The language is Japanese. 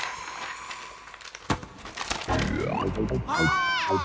あっ！